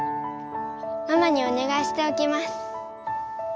ママにおねがいしておきます。